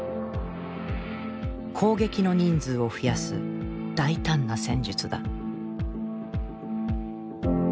攻撃の人数を増やす大胆な戦術だ。